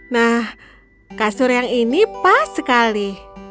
nah kasur yang ini pas sekali